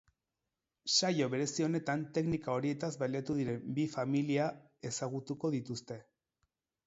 Saio berezi honetan teknika horietaz baliatu diren bi familia ezagutuko dituzte.